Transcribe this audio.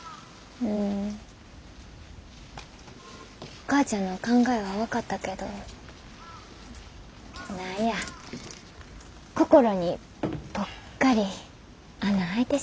お母ちゃんの考えは分かったけど何や心にポッカリ穴開いてしもた。